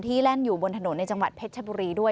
แล่นอยู่บนถนนในจังหวัดเพชรชบุรีด้วย